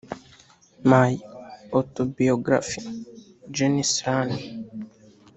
My Autobiography" -- Janis Ian